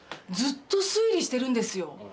ずっと推理してるんですよ。